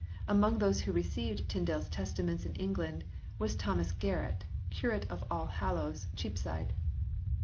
Among those who received Tyndale s Testaments in England was Thomas Garret, Curate of All Hallows, Cheapside.